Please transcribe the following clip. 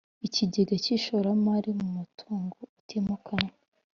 ikigega cy ishoramari mu mutungo utimukanwa